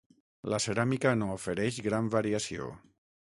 La ceràmica no ofereix gran variació.